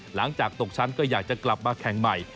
หลังจากตกชั้นก็อยากจะกลับมาแข่งใหม่